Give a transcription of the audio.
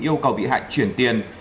yêu cầu bị hại chuyển tiền